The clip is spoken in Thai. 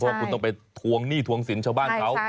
ว่าคุณต้องไปทวงหนี้ทวงสินชาวบ้านเขา